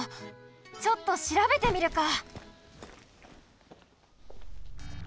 ちょっとしらべてみるか！